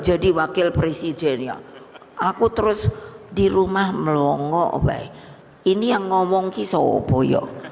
aku terus di rumah melongok ini yang ngomongnya sobo